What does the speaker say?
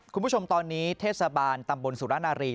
คุณผู้ชมตอนนี้เทศบาลตำบลสุรนารี